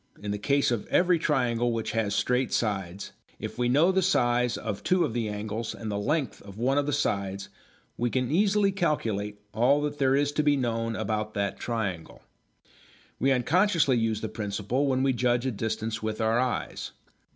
In the case of every triangle which has straight sides, if we know the size of two of the angles and the length of one of the sides we can easily calculate all that there is to be known about that triangle. We unconsciously use the principle when we judge a distance with our eyes.